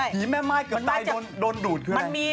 พี่แม่ไม้เกือบตายแล้วโดนดูดคืนอะไร